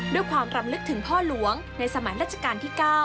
ด้วยความรำลึกถึงพ่อหลวงในสมัยราชการที่๙